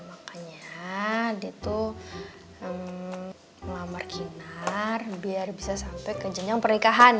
makanya dia tuh mamar kinar biar bisa sampai ke jenjang pernikahan